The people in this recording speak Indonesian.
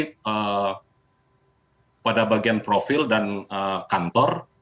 ini pada bagian profil dan kantor